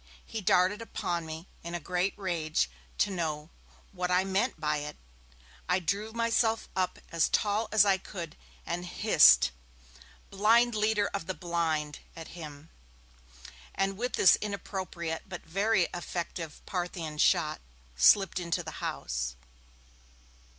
He darted upon me, in a great rage, to know 'what I meant by it?' I drew myself up as tall as I could, hissed 'Blind leader of the blind!' at him, and, with this inappropriate but very effective Parthian shot, slipped into the house.